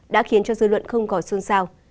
đã khiến cho dư luận không gọi xuân sao